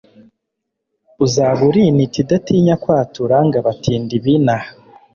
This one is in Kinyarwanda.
uzaba uri intiti Idatinya kwatura Ngo abatindi binaha